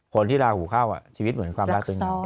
คนที่ราหูเข้าอ่ะชีวิตเหมือนความรักซ้อน